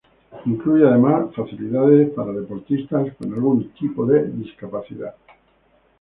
Incluye además facilidades para deportistas con algún tipo de discapacidad.